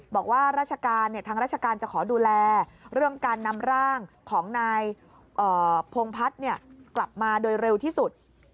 บอกว่าราชการทางราชการจะขอดูแลเรื่องการนำร่างของนายพงพัฒน์กลับมาโดยเร็วที่สุด